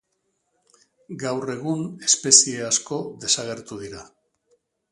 Gaur egun espezie asko desagertu dira.